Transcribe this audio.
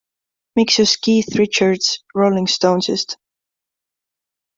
Miks just Keith Richards Rolling Stonesist?